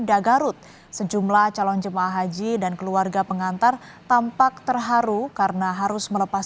di garut sejumlah calon jemaah haji dan keluarga pengantar tampak terharu karena harus melepas